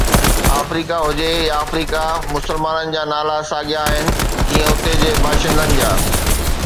آفريقا هجي يا آفريقا، مسلمانن جا نالا ساڳيا آهن، جيئن اتي جي باشندن جا.